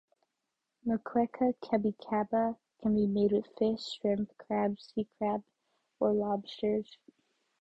"Moqueca capixaba" can be made with fish, shrimp, crabs, sea crab or lobsters.